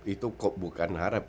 itu kok bukan harap